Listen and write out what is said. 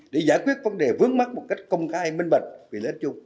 để giải quyết vấn đề vướng mắt một cách công khai minh bệnh quy lệch chung